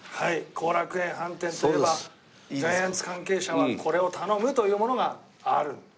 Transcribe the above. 後楽園飯店といえばジャイアンツ関係者はこれを頼むというものがある。